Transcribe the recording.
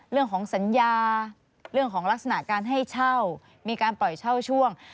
เรื่องของสัญญาเรื่องของลักษณะการให้เช่ามีการปล่อยเช่าช่วง